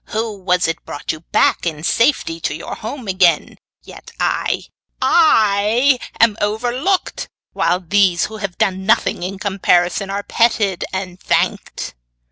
Who was it brought you back in safety to your home again? Yet I I am overlooked, while these who have done nothing in comparison, are petted and thanked.